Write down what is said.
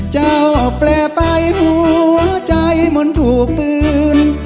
เจ้าเปลี่ยไปหัวใจมนต์ถูกปืน